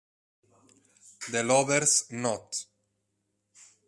The Lovers' Knot